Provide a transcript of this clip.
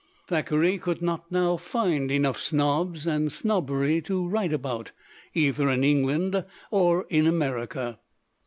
Thackeray could not now find enough snobs and snobbery to write about, either in England or in America.